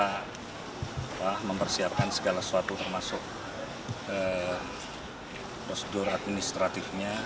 kita mempersiapkan segala sesuatu termasuk prosedur administratifnya